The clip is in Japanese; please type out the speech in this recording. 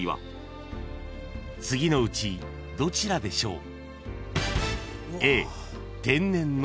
［次のうちどちらでしょう？］